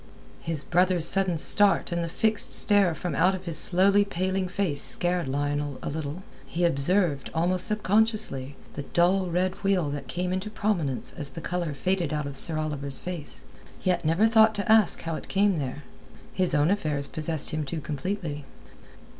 His brother's sudden start and the fixed stare from out of his slowly paling face scared Lionel a little. He observed, almost subconsciously, the dull red wheal that came into prominence as the colour faded out of Sir Oliver's face, yet never thought to ask how it came there. His own affairs possessed him too completely.